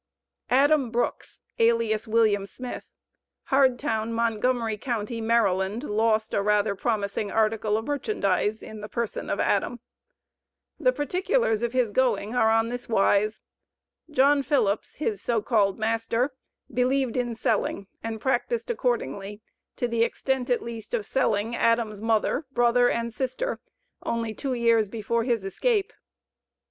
ADAM BROOKS, alias William Smith. Hardtown, Montgomery county, Maryland, lost a rather promising "article of merchandise," in the person of Adam. The particulars of his going are on this wise: John Phillips, his so called master, believed in selling, and practiced accordinglv, to the extent at least of selling Adam's mother, brother, and sister only two years before his escape.